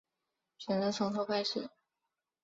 选择从头开始